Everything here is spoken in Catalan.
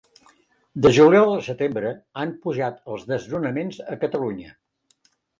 De juliol a setembre han pujat els desnonaments a Catalunya